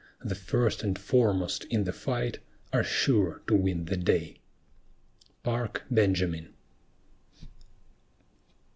The first and foremost in the fight Are sure to win the day! PARK BENJAMIN.